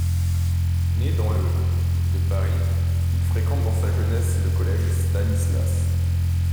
Né dans le de Paris, il fréquente dans sa jeunesse le collège Stanislas.